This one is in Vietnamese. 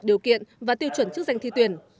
điều kiện và tiêu chuẩn chức danh thi tuyển